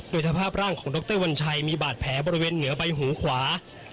โดยสภาพร่างของดรวัญชัยมีบาดแผลบริเวณเหนือใบหูขวา